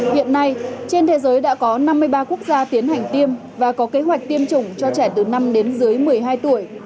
hiện nay trên thế giới đã có năm mươi ba quốc gia tiến hành tiêm và có kế hoạch tiêm chủng cho trẻ từ năm đến dưới một mươi hai tuổi